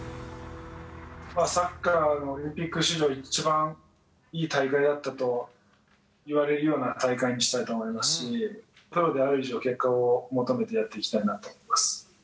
サッカーのオリンピック史上、一番いい大会だったといわれるような大会にしたいと思いますし、プロである以上、結果を求めてやっていきたいなと思います。